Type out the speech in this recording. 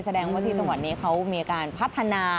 แสดงว่าที่จังหวัดนี้เขามีการพัฒนา